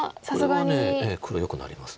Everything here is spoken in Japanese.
これは黒よくなります。